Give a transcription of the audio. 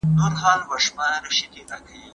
توره شپه سهار لري.